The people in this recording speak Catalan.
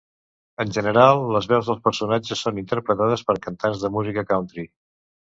En general, les veus dels personatges són interpretades per cantants de música country.